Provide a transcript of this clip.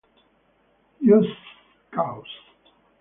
Just Cause